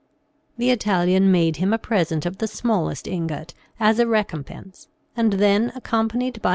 The Italian made him a present of the smallest ingot as a recompense and then, accompanied by M.